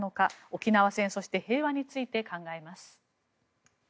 沖縄戦、そして平和について考えます。